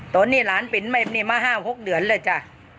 ตอนนี้หลานเป็นแบบนี้มา๕๖เดือนแล้วจ้ะ